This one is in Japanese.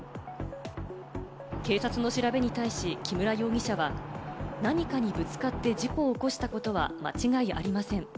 警察の調べに対し、木村容疑者は、何かにぶつかって事故を起こしたことは間違いありません。